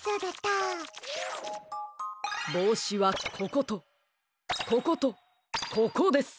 ぼうしはこことこことここです。